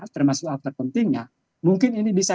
termasuk apa pentingnya mungkin ini bisa